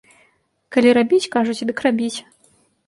Калі рабіць, кажуць, дык рабіць.